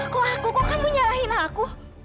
kok aku kok kamu nyalahin aku